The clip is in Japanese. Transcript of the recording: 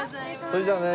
それじゃあね。